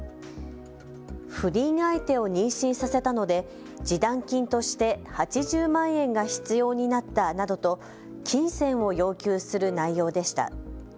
不倫相手を妊娠させたので示談金として８０万円が必要になったなどと金銭を要求する内容でした。